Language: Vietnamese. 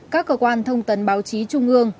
các cơ quan thông tấn báo chí trung ương